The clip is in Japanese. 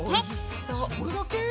それだけ？